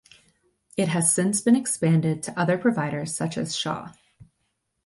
It has since been expanded to other providers, such as Shaw.